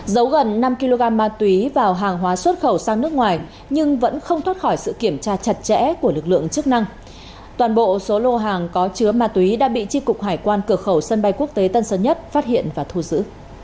giấu gần năm kg ma túy vào hàng hóa xuất khẩu sang nước ngoài nhưng vẫn không thoát khỏi sự kiểm tra chặt chẽ của lực lượng chức năng toàn bộ số lô hàng có chứa ma túy đã bị tri cục hải quan cửa khẩu sân bay quốc tế tân sơn nhất phát hiện và thu giữ